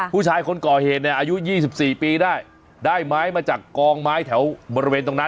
ผู้ชายคนก่อเหตุเนี่ยอายุ๒๔ปีได้ได้ไม้มาจากกองไม้แถวบริเวณตรงนั้น